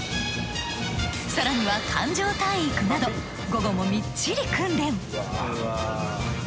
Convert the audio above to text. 更には艦上体育など午後もみっちり訓練。